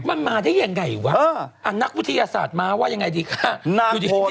มันมาได้ยังไงวะนักวิทยาศาสตร์มาว่ายังไงดีคะอยู่ดี